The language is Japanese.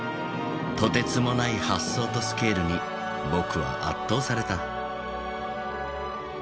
とてつもない発想とスケールに僕は圧倒された。